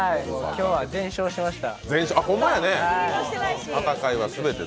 今日は全勝しました。